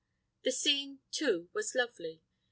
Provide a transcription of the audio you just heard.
The scene, too, was lovely.